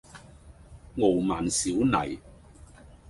傲慢少禮